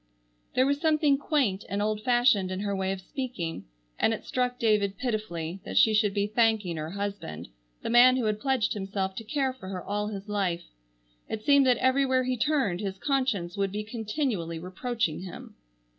There was something quaint and old fashioned in her way of speaking, and it struck David pitifully that she should be thanking her husband, the man who had pledged himself to care for her all his life. It seemed that everywhere he turned his conscience would be continually reproaching him.